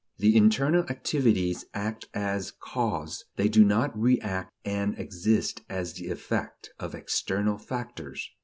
The internal activities act as cause; they do not react and exist as the effect of external factors.